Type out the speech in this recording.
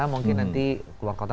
mungkin nanti keluar kota